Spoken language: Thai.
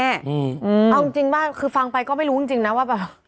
เอาจริงบ้างคือฟังไปก็ไม่รู้จริงนะว่าแบบ